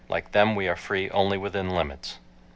Like them we are free only within limits